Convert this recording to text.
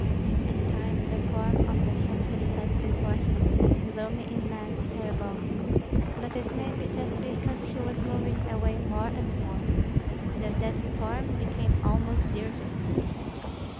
At times the form of the hetman passed before him, gloomy, immense, terrible. But it may be just because he was moving away more and more, that that form became almost dear to him.